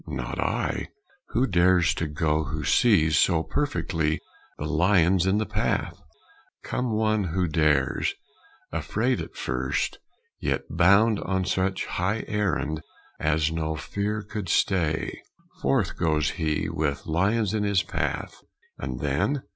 Not I! Who dares to go who sees So perfectly the lions in the path? Comes one who dares. Afraid at first, yet bound On such high errand as no fear could stay. Forth goes he, with lions in his path. And then